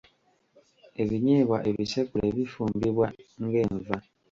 Ebinyeebwa ebisekule bifumbibwa ng'enva.